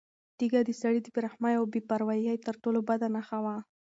تیږه د سړي د بې رحمۍ او بې پروایۍ تر ټولو بده نښه وه.